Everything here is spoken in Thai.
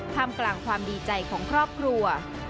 กลางความดีใจของครอบครัว